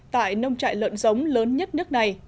tại nông trại lợn giống lớn nhất nước này